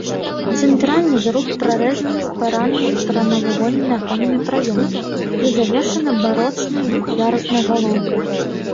Цэнтральны зруб прарэзаны спаранымі прамавугольнымі аконнымі праёмамі і завершаны барочнай двух'яруснай галоўкай.